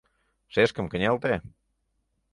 Шешкым кынелте.